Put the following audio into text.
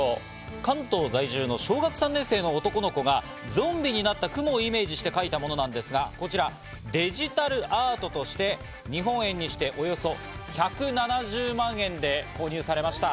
関東在住の小学３年生の男の子がゾンビになったクモをイメージして描いたものなんですが、こちら、デジタルアートとして、日本円にしておよそ１７０万円で購入されました。